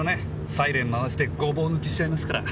サイレン回してゴボウ抜きしちゃいますから。